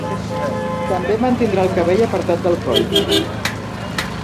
També mantindrà el cabell apartat del coll.